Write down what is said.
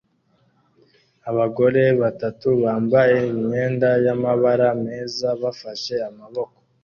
abagore batatu bambaye imyenda yamabara meza bafashe amaboko